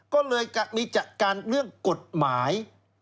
ก็เลยมีจัดการเรื่องกฎหมาย